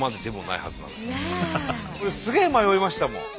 すげえ迷いましたもん。